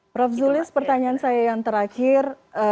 prof zulis pertanyaan saya yang terakhir